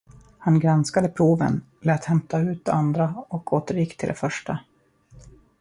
Han granskade proven, lät hämta ut andra och återgick till de första.